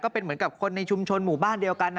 เป็นเหมือนกับคนในชุมชนหมู่บ้านเดียวกัน